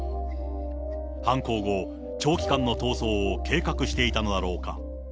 犯行後、長期間の逃走を計画していたのだろうか。